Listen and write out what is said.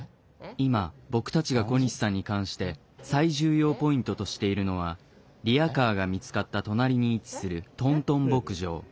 今僕たちが小西さんに関して最重要ポイントとしているのはリアカーが見つかった隣に位置する「トントン牧場」。